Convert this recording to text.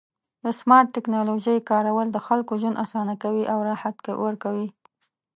د سمارټ ټکنالوژۍ کارول د خلکو ژوند اسانه کوي او راحت ورکوي.